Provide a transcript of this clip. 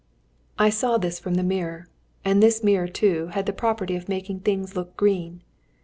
I saw this from the mirror. And this mirror, too had the property of making things look green.